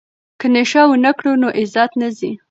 که نشه ونه کړو نو عزت نه ځي.